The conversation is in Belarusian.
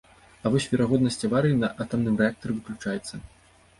А вось верагоднасць аварыі на атамным рэактары выключаецца.